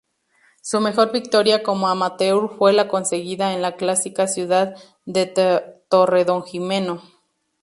Su mejor victoria como amateur fue la conseguida en la Clásica Ciudad de Torredonjimeno.